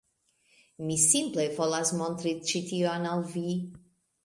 Mi simple volas montri ĉi tion al vi.